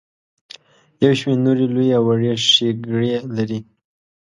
یو شمیر نورې لویې او وړې ښیګړې لري.